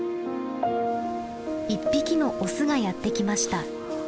１匹のオスがやって来ました。